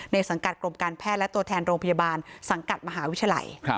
สังกัดกรมการแพทย์และตัวแทนโรงพยาบาลสังกัดมหาวิทยาลัย